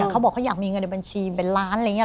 เขาบอกเขาอยากมีเงินในบัญชีเป็นล้านอะไรอย่างนี้